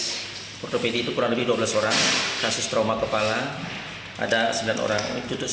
portopedi itu kurang lebih dua belas orang kasus trauma kepala ada sembilan orang